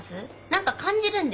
何か感じるんで。